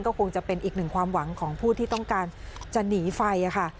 ก็คงจะเป็นอีกหนึ่งความหวังของผู้ที่ต้องการจะหนีไฟค่ะ